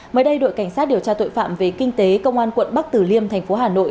mới đây đội cảnh sát điều tra tội phạm về kinh tế công an quận bắc tử liêm thành phố hà nội